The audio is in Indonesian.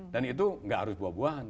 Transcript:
dan itu gak harus buah buahan